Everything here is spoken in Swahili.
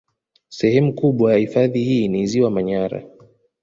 Sehemu kubwa ya hifadhi hii ni ziwa Manyara